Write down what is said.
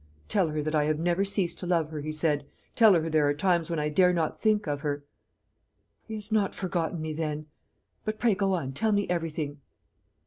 'Tell her that I have never ceased to love her,' he said; 'tell her there are times when I dare not think of her.'" "He has not forgotten me, then. But pray go on; tell me everything."